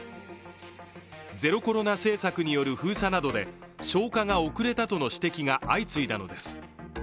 ゼロコロナ政策による封鎖などで消火が遅れたとの指摘が相次いだのです。